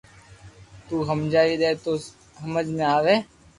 تو ھمجاوي ديئي دو تو ھمج مي آوي